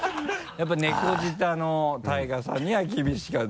やっぱ猫舌のＴＡＩＧＡさんには厳しかった。